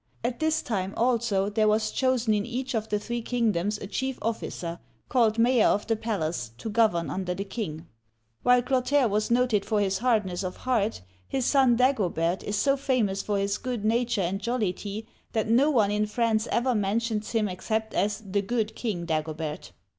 At this time, also, there was chosen in each of the three kingdoms a chief officer, called Mayor of the Palace, to govern under the king. While Clotaire was noted for his hardness of heart, his son Dag'obert is so famous for his good nature and jollity that no one in France ever mentions him except as " the good king Dagobert."